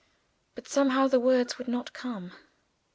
But, somehow the words would not come.